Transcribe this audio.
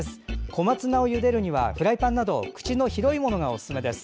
小松菜をゆでるにはフライパンなど口の広いものがおすすめです。